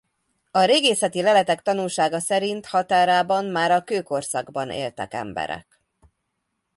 A régészeti leletek tanúsága szerint határában már a kőkorszakban éltek emberek.